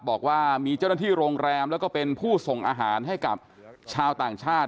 บอกว่ามีเจ้าหน้าที่โรงแรมแล้วก็เป็นผู้ส่งอาหารให้กับชาวต่างชาติ